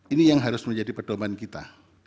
ini yang harus menjadi pedoman kita